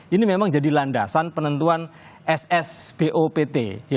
ini memang jadi landasan penentuan ssbopt